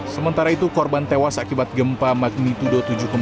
sementara itu korban tewas akibat gempa magnitudo tujuh empat